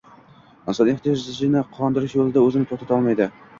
Inson ehtiyojni qondirish yo`lida o`zini to`xtata olmaydi